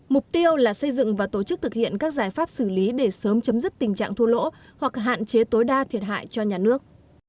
mục tiêu là xây dựng và tổ chức thực hiện các giải pháp xử lý để sớm chấm dứt tình trạng thua lỗ hoặc hạn chế tối đa thiệt hại cho nhà nước